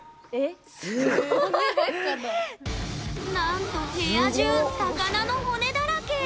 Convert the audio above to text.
なんと部屋中、魚の骨だらけ。